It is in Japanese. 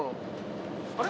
あれ？